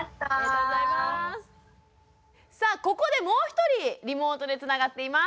さあここでもう一人リモートでつながっています。